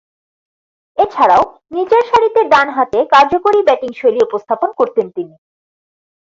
এছাড়াও, নিচেরসারিতে ডানহাতে কার্যকরী ব্যাটিংশৈলী উপস্থাপন করতেন তিনি।